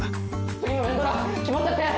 次の連ドラ決まったって！